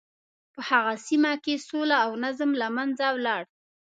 په هغه سیمه کې سوله او نظم له منځه ولاړ.